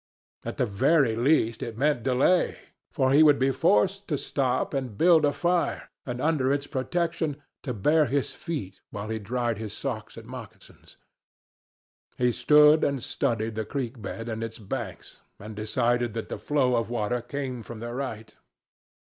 At the very least it meant delay, for he would be forced to stop and build a fire, and under its protection to bare his feet while he dried his socks and moccasins. He stood and studied the creek bed and its banks, and decided that the flow of water came from the right.